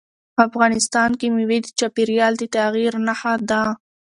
افغانستان کې مېوې د چاپېریال د تغیر نښه ده.